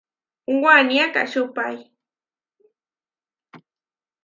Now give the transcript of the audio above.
Waní akačúpai.